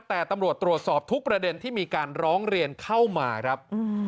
แต่ตำรวจตรวจสอบทุกประเด็นที่มีการร้องเรียนเข้ามาครับ